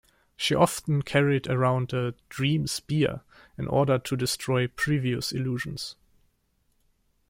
She often carried around a "dream spear", in order to destroy previous illusions.